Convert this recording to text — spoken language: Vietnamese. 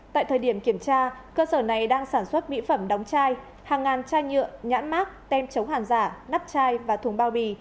tại thời điểm kiểm tra cơ sở này đang sản xuất mỹ phẩm đóng chai hàng ngàn chai nhựa nhãn mát tem chống hàng giả nắp chai và thùng bao bì